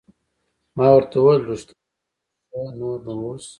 ما ورته وویل: رښتیا هم ډېر ښه، نور نو اوس.